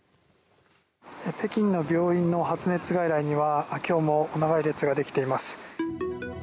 北京の病院の発熱外来には今日も長い列ができています。